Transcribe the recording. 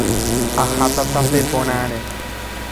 Aháta tape porãre.